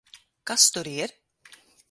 Kas tur ir?